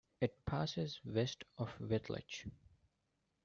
It passes west of Wittlich.